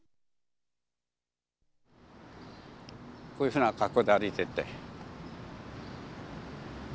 こういうふうな格好で歩いてって。